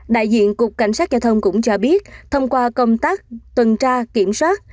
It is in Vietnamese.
đại diện cục cảnh sát giao thông cũng cho biết thông qua công tác tuần tra kiểm soát